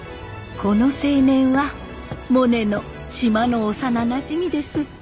この青年はモネの島の幼なじみです。